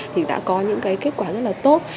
thì đã có những cái kết quả rất là tốt